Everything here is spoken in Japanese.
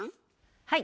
はい。